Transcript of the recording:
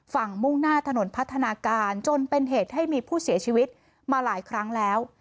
มุ่งหน้าถนนพัฒนาการจนเป็นเหตุให้มีผู้เสียชีวิตมาหลายครั้งแล้ว